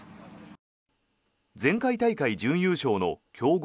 前回大会準優勝の強豪